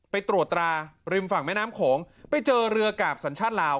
ไปตรวจตราริมฝั่งแม่น้ำโขงไปเจอเรือกราบสัญชาติลาว